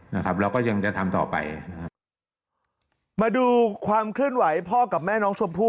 นะครับแล้วก็ยังจะทำต่อไปนะครับมาดูความเคลื่อนไหวพ่อกับแม่น้องชมพู่